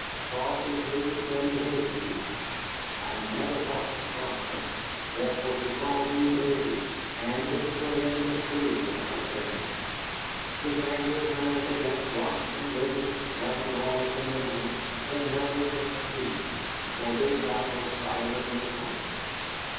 Cross his moods, and he hated you. I never thought to cross them, therefore he called me Davy, and his friendliness grew with our journey. His anger turned against rocks and rivers, landlords and emigrants, but never against me. And for this I was silently thankful.